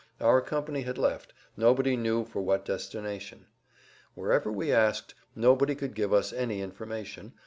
Our company had left, nobody knew for what destination. Wherever we asked, nobody could give us any information.